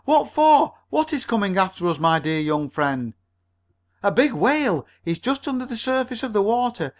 What for? What is coming after us, my dear young friend?" "A big whale! He's just under the surface of the water!